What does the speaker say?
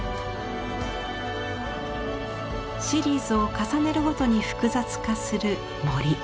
シリーズを重ねるごとに複雑化する森。